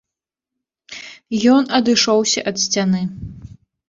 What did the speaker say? Ён адышоўся ад сцяны.